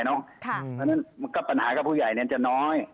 เพราะฉะนั้นปัญหากับผู้ใหญ่นั้นจะน้อย